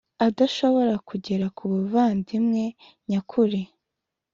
adashobora kugera ku buvandimwe nyakuri